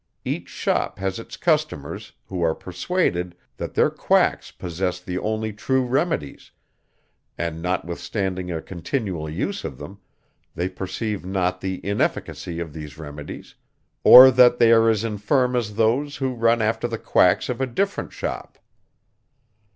Each shop has its customers, who are persuaded, that their quacks possess the only true remedies; and notwithstanding a continual use of them, they perceive not the inefficacy of these remedies, or that they are as infirm as those, who run after the quacks of a different shop.